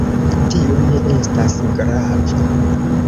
Tio ne estas grava.